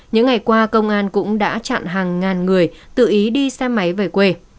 những ngày qua công an cũng đã chặn hàng ngàn người tự ý đi xe máy về quê